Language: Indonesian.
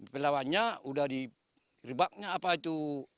pelawannya udah di rebaknya apa itu